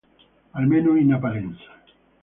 Almeno in apparenza.